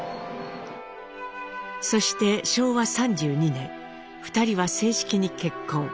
そして昭和３２年２人は正式に結婚。